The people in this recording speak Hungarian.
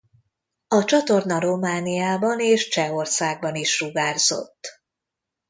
A csatorna Romániában és Csehországban is sugárzott.